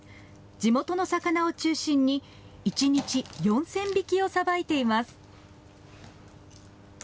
地元の魚を中心に一日４０００匹をさばいています。